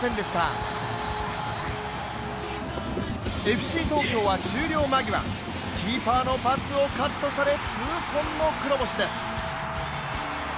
ＦＣ東京は終了間際キーパーのパスをカットされ痛恨の黒星です。